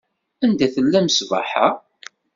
Anda i tellam ṣṣbeḥ-a?